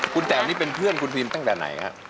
คุณแต๋วนี่เป็นเพื่อนคุณพิมตั้งแต่ไหนฮะ